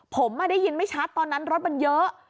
ผมได้ยินไม่ชัดตอนนั้นรถมันเยอะ